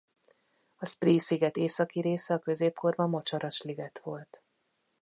A Spree-sziget északi része a középkorban mocsaras liget volt.